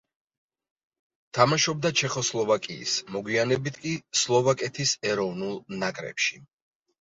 თამაშობდა ჩეხოსლოვაკიის, მოგვიანებით კი სლოვაკეთის ეროვნულ ნაკრებში.